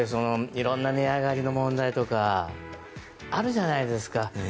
いろんな値上がりの問題とかあるじゃないですか。